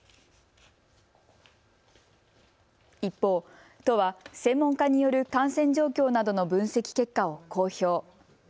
一方、都は、専門家による感染状況などの分析結果を公表。